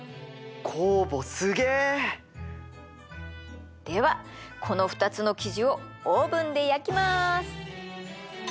酵母すげえ！ではこの２つの生地をオーブンで焼きます！